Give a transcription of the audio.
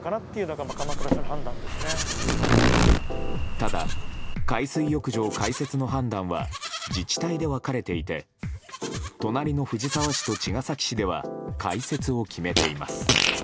ただ、海水浴場開設の判断は自治体で分かれていて隣の藤沢市と茅ヶ崎市では開設を決めています。